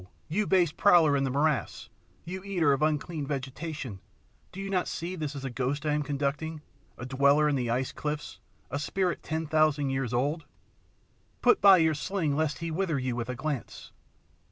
you base prowler in the morasses; you eater of unclean vegetation, do you not see this is a ghost I am conducting, a dweller in the ice cliffs, a spirit ten thousand years old? Put by your sling lest he wither you with a glance."